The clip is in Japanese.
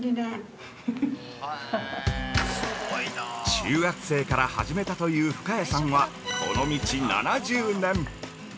◆中学生から始めたという深谷さんは、この道７０年。